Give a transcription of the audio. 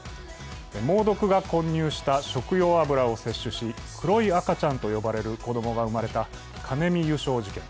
猛毒が購入した食用油を摂取し、黒い赤ちゃんと呼ばれる子供が生まれたカネミ油症事件。